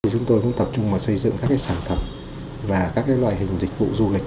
chúng tôi cũng tập trung vào xây dựng các sản phẩm và các loại hình dịch vụ du lịch